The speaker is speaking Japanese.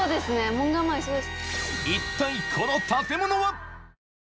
門構えすごいです。